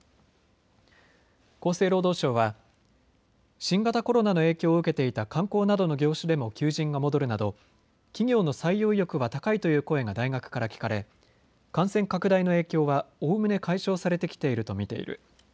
厚生労働省は新型コロナの影響を受けていた観光などの業種でも求人が戻るなど企業の採用意欲は高いという声が大学から聞かれ感染拡大の影響はおおむね解消されてきていると見ている。